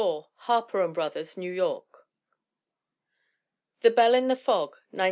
Harper & Brothers, New York. The Bell in the Fog, 1905.